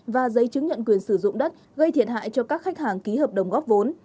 và giấy chứng nhận quyền sử dụng đất gây thiệt hại cho các khách hàng ký hợp đồng góp vốn